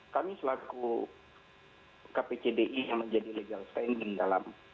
kami selaku kpcdi yang menjadi legal standing dalam